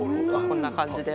こんな感じで。